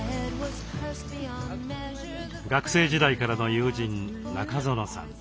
学生時代からの友人中園さん。